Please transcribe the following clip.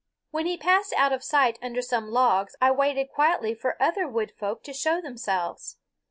When he passed out of sight under some logs I waited quietly for other Wood Folk to show themselves.